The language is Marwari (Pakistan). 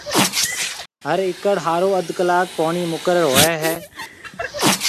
هر ايڪڙ هارون اڌ ڪلاڪ پوڻِي مقرر هوئي هيَ۔